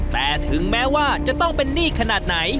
แต่ถึงแม้ว่าจะต้องเป็นหนี้ขนาดไหน